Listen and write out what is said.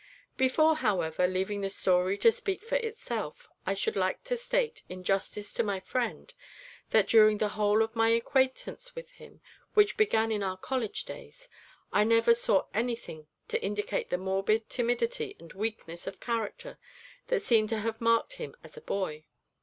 Before, however, leaving the story to speak for itself, I should like to state, in justice to my friend, that during the whole of my acquaintance with him, which began in our college days, I never saw anything to indicate the morbid timidity and weakness of character that seem to have marked him as a boy.